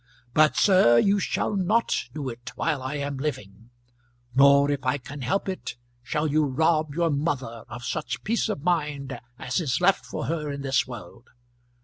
But, sir, you shall not do it while I am living; nor, if I can help it, shall you rob your mother of such peace of mind as is left for her in this world.